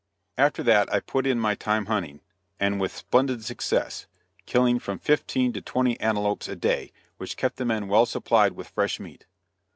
After that I put in my time hunting, and with splendid success, killing from fifteen to twenty antelopes a day, which kept the men well supplied with fresh meat.